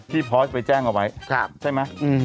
ที่พอร์สไปแจ้งเอาไว้ใช่ไหม